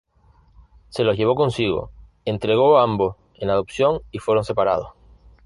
Se los llevó consigo, entregó a ambos en adopción y fueron separados.